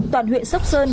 toàn huyện sóc sơn